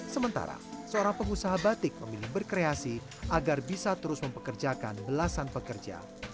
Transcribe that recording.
sementara seorang pengusaha batik memilih berkreasi agar bisa terus mempekerjakan belasan pekerja